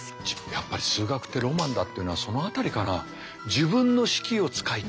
やっぱり数学ってロマンだっていうのはその辺りから自分の式を使いたい。